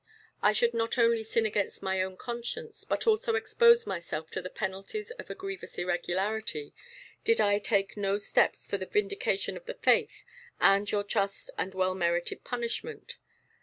I should not only sin against my own conscience, but also expose myself to the penalties of a grievous irregularity, did I take no steps for the vindication of the Faith and your just and well merited punishment.